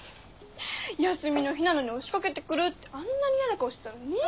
休みの日なのに押しかけてくるってあんなに嫌な顔してたのにねぇ。